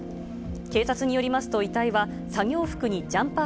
警察によりますと、遺体は作業服にジャンパー